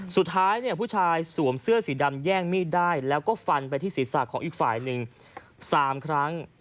สุดท้ายเนี่ยผู้ชายสวมเสื้อสีดำแย่งมีดได้แล้วก็ฟันไปที่ศีรษะของอีกฝ่ายหนึ่ง๓ครั้ง